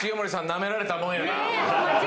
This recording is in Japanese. なめられたもんやな